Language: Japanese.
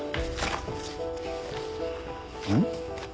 うん？